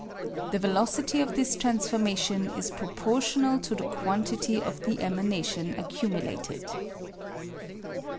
The velocity of this transformation is proportional to the quantity of the emanation accumulated.